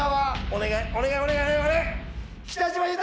お願いお願い！